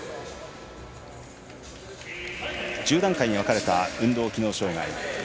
１０段階に分かれた運動機能障がい。